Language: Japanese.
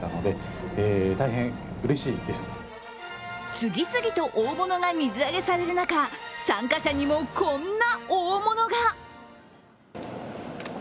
次々と大物が水揚げされる中参加者にもこんな大物が。